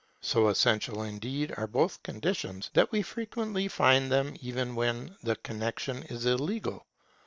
So essential indeed are both conditions, that we frequently find them even when the connexion is illegal.